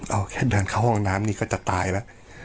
เอาแค่เดินเข้าห้องน้ำนี่ก็จะตายแล้ว